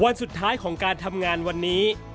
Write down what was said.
วันสุดท้ายของการทำงานวันนี้